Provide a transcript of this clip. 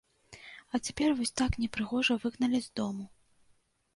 А цяпер вось так непрыгожа выгналі з дому.